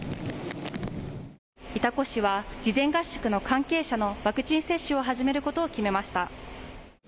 潮来市は事前合宿の関係者のワクチン接種を始めることを決めました。